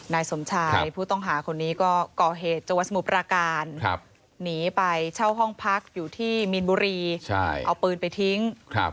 นายสมชายผู้ต้องหาคนนี้ก็ก่อเหตุจังหวัดสมุทรปราการหนีไปเช่าห้องพักอยู่ที่มีนบุรีเอาปืนไปทิ้ง